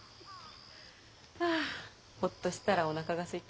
あホッとしたらおなかがすいた。